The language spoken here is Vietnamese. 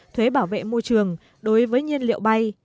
thuế bảo vệ môi trường đối với nhiên liệu bay